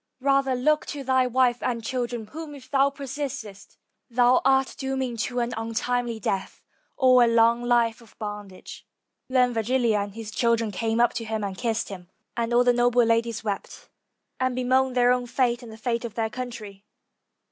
Rather look to thy wife and children, whom if thou persistest thou art dooming to an untimely death, or a long life of bondage." Then Virgilia and his children came up to him and kissed him, and all the noble ladies wept, and bemoaned their own fate and the fate of their country.